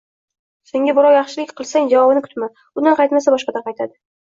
Sen birovga yaxshilik qilsang, javobini kutma. Undan qaytmasa, boshqadan qaytadi.